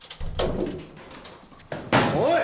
・おい！